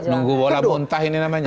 nunggu bola muntah ini namanya